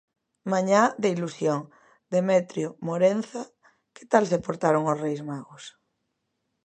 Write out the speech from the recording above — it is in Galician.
Mañá de ilusión, Demetrio Morenza, que tal se portaron os Reis Magos?